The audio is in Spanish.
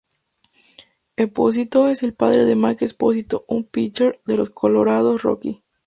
Esposito es el padre de Mike Esposito, un "pitcher" de los Colorado Rockies.